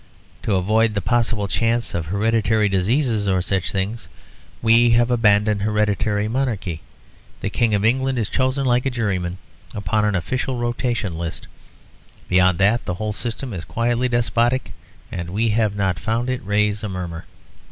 To avoid the possible chance of hereditary diseases or such things, we have abandoned hereditary monarchy. The King of England is chosen like a juryman upon an official rotation list. Beyond that the whole system is quietly despotic, and we have not found it raise a murmur."